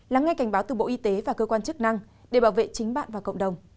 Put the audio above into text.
lắng nghe cảnh báo từ bộ y tế và cơ quan chức năng để bảo vệ chính bạn và cộng đồng